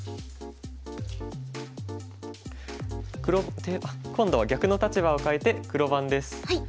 黒今度は逆の立場を変えて黒番です。